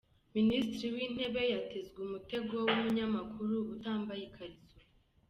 Minisitiri w’intebe yatezwe umutego w’umunyamakuru utambaye ikariso